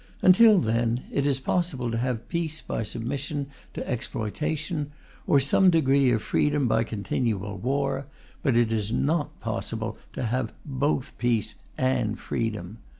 Until then, it is possible to have peace by submission to exploitation, or some degree of freedom by continual war, but it is not possible to have both peace and freedom.